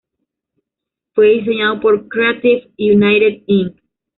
Fue diseñado por Creative United Inc.